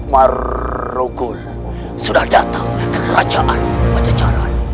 amuk marunggul sudah datang ke kerajaan pajajaran